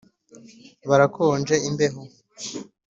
Barakonje imbeho,